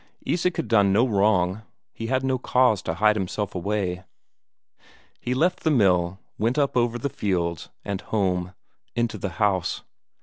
Isak had done no wrong; he had no cause to hide himself away. He left the mill, went up over the fields, and home into the house.